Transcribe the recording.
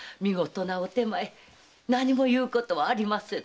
何も言うことはありません。